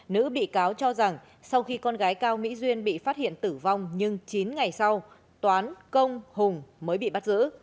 nữ bị cáo cho rằng sau khi con gái cao mỹ duyên bị phát hiện tử vong nhưng chín ngày sau toán công hùng mới bị bắt giữ